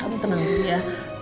kamu tenang dulu ya